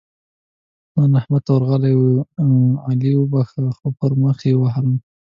نن احمد ته ورغلی وو؛ چې علي وبښه - خو پر مخ يې ووهلم.